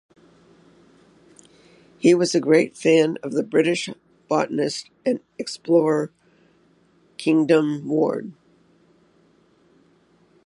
He was a great fan of the British botanist and explorer Kingdon-Ward.